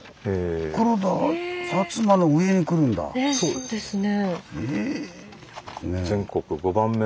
そうですね。